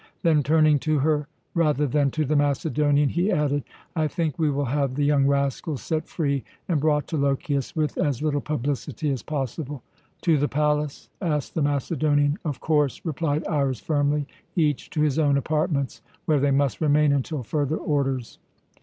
Then, turning to her rather than to the Macedonian, he added, "I think we will have the young rascals set free and brought to Lochias with as little publicity as possible." "To the palace?" asked the Macedonian. "Of course," replied Iras firmly. "Each to his own apartments, where they must remain until further orders."